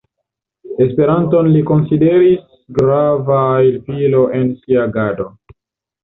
Esperanton li konsideris grava helpilo en sia agado.